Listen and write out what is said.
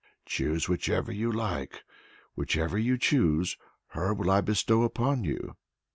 "Choose whichever you like! whichever you choose, her will I bestow upon you."